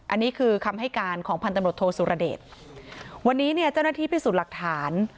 อันนี้คือคำให้การของพันตำรวจโทสุรเดชวันนี้เนี่ยเจ้าหน้าที่พิสูจน์หลักฐาน